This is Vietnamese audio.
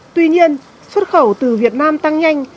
tuy nhiên xuất khẩu từ việt nam tăng nhanh